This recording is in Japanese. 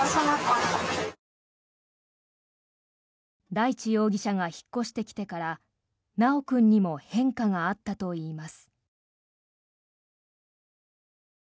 大地容疑者が引っ越してきてから修君にも変化があったといいます。